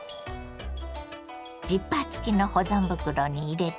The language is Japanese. ジッパー付きの保存袋に入れてね。